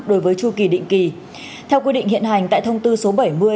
đối với chu kỳ định kỳ theo quy định hiện hành tại thông tư số bảy mươi